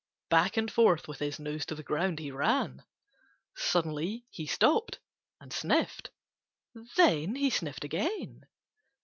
Back and forth with his nose to the ground he ran. Suddenly he stopped and sniffed. Then he sniffed again.